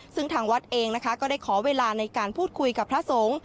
ซึ่งทางวัดเองนะคะก็ได้ขอเวลาในการพูดคุยกับพระสงฆ์